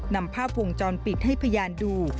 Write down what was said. นำภาพวงจรปิดให้พยานดู